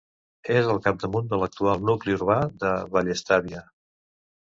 És al capdamunt de l'actual nucli urbà de Vallestàvia.